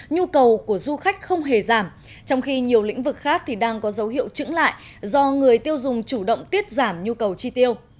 nhu cầu của du khách không hề giảm trong khi nhiều lĩnh vực khác thì đang có dấu hiệu trứng lại do người tiêu dùng chủ động tiết giảm nhu cầu chi tiêu